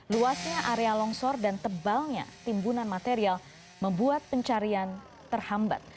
luasnya area longsor dan tebalnya timbunan material membuat pencarian terhambat